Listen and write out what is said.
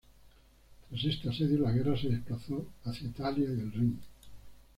Tras este asedio la guerra se desplazó hacia Italia y el Rin.